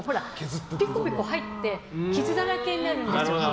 ピコピコ入って傷だらけになる街。